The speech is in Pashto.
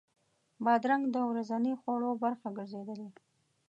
بادرنګ د ورځني خوړو برخه ګرځېدلې.